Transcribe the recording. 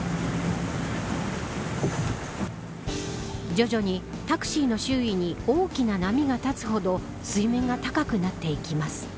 徐々に、タクシーの周囲に大きな波が立つほど水面が高くなっていきます。